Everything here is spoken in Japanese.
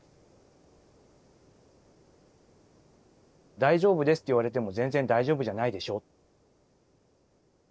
「大丈夫です」って言われても全然大丈夫じゃないでしょ。